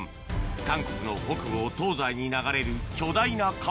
韓国の北部を東西に流れる巨大な川